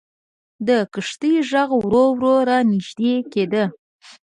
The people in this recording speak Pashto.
د کښتۍ ږغ ورو ورو را نژدې کېده.